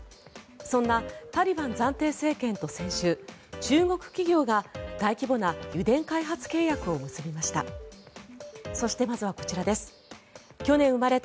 そんなタリバン暫定政権と先週中国企業が大規模な油田開発契約を結びました。